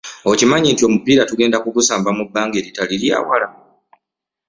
Okimanyi nti omupiira tugenda kugusamba mu banga eritali lyawala.